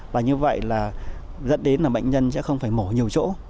và như vậy dẫn đến bệnh nhân sẽ không phải mổ nhiều chỗ